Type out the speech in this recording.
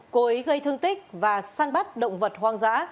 cô ấy gây thương tích và săn bắt động vật hoang dã